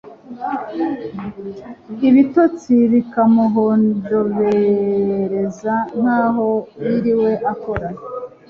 ibitotsi bikamuhondobereza nk'aho yiriwe akora